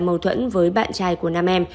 mâu thuẫn với bạn trai của nam em